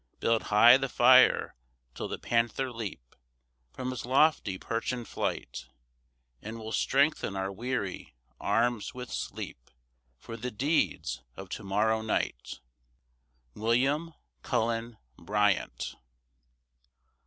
Build high the fire, till the panther leap From his lofty perch in flight, And we'll strengthen our weary arms with sleep For the deeds of to morrow night. WILLIAM CULLEN BRYANT.